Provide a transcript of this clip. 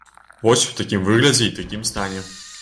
Вось у такім выглядзе і такім стане.